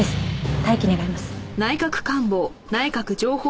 待機願います。